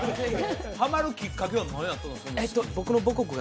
ハマるきっかけは何やったの？